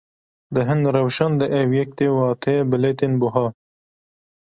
Di hin rewşan de ev yek tê wateya bilêtên biha.